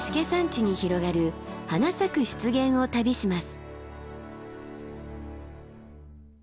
山地に広がる花咲く湿原を旅します。